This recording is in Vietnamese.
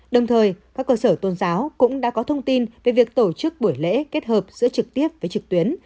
đồng thời các cơ sở tôn giáo cũng đã có thông tin về việc tổ chức buổi lễ kết hợp giữa trực tiếp với trực tuyến